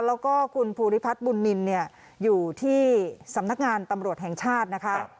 แล้วก็คุณภูริพัฒน์บุญนินเนี่ยอยู่ที่สำนักงานตำรวจแห่งชาตินะคะ